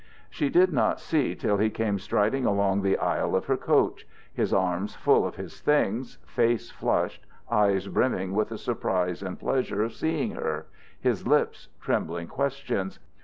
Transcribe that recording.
She did not see till he came striding along the aisle of her coach, his arms full of his things, face flushed, eyes brimming with the surprise and pleasure of seeing her; his lips trembling questions.